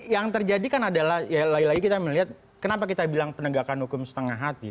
yang terjadi kan adalah ya lagi lagi kita melihat kenapa kita bilang penegakan hukum setengah hati